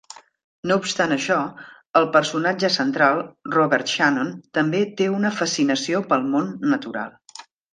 No obstant això, el personatge central, Robert Shannon, també té una fascinació pel món natural.